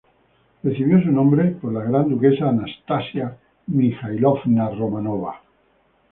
Recibió su nombre por la gran duquesa Anastasia Mijáilovna Románova.